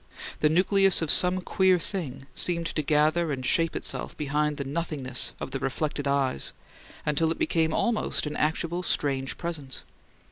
The nucleus of some queer thing seemed to gather and shape itself behind the nothingness of the reflected eyes until it became almost an actual strange presence.